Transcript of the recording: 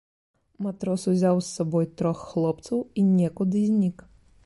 Матрос узяў з сабой трох хлопцаў і некуды знік.